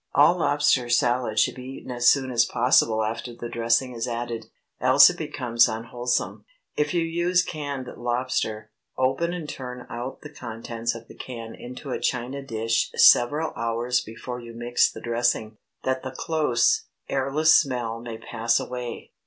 All lobster salad should be eaten as soon as possible after the dressing is added, else it becomes unwholesome. If you use canned lobster, open and turn out the contents of the can into a china dish several hours before you mix the dressing, that the close, airless smell may pass away.